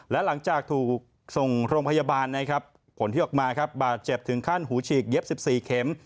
และหลังจากถูกส่งโรงพยาบาลนะครับผลที่ออกมาครับบาดเจ็บถึงขั้นหูฉีกเย็บ๑๔เข็ม